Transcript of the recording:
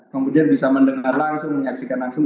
kemudian bisa mendengar langsung menyaksikan langsung